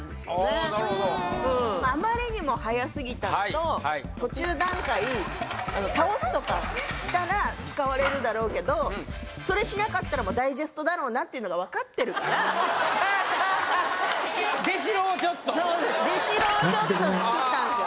あなるほどあまりにも早すぎたのと途中段階倒すとかしたら使われるだろうけどそれしなかったらダイジェストだろうなっていうのが分かってるからハハハッ出しろをちょっとそうです出しろをちょっとつくったんすよ